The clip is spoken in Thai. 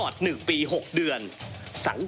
ก็ได้มีการอภิปรายในภาคของท่านประธานที่กรกครับ